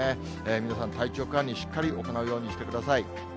皆さん体調管理、しっかり行うようにしてください。